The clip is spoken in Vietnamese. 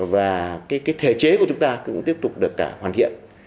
và cái thể chế của chúng ta cũng tiếp tục được hoàn thiện